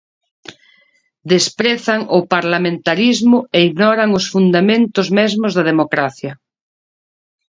Desprezan o parlamentarismo e ignoran os fundamentos mesmos da democracia.